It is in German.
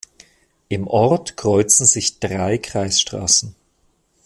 Im Ort kreuzen sich drei Kreisstraßen.